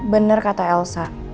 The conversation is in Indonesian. bener kata elsa